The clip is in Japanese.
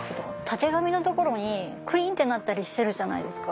たてがみのところにクリンってなったりしてるじゃないですか。